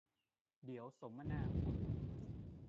เดี๋ยวสมนาคุณ